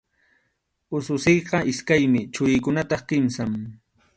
Ususiyqa iskaymi, churiykunataq kimsam.